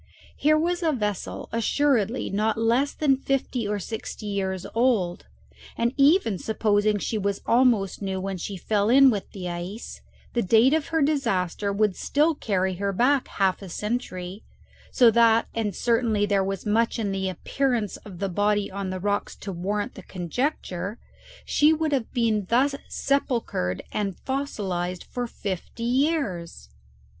Here was a vessel assuredly not less than fifty or sixty years old, and even supposing she was almost new when she fell in with the ice, the date of her disaster would still carry her back half a century; so that and certainly there was much in the appearance of the body on the rocks to warrant the conjecture she would have been thus sepulchred and fossilized for fifty years!